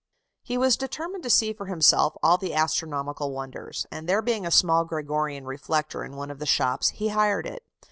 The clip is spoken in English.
He was determined to see for himself all the astronomical wonders; and there being a small Gregorian reflector in one of the shops, he hired it.